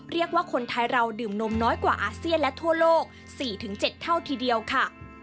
เรียกว่าคนไทยเราดื่มนมน้อยกว่าอาเซียนและทั่วโลก๔๗เท่าทีเดียวค่ะ